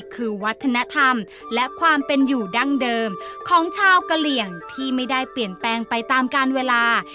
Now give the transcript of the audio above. คือวัฒนธรรมและความเป็นอยู่ดั้งเดิมของชาวกะเหลี่ยงที่ไม่ได้เปลี่ยนแปลงไปตามการเวลา